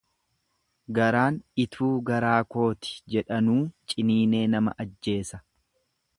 Garaan ituu garaa kooti jedhanuu ciniinee nama ajjeesa.